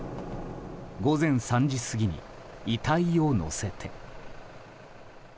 午前３時過ぎに遺体を載せて。